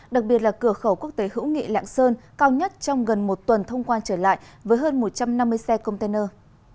đặc biệt là cửa khẩu quốc tế hữu nghị lạng sơn cao nhất trong gần một tuần thông quan trở lại với hơn một trăm năm mươi xe container